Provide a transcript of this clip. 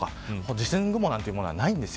地震雲なんてものはないんです。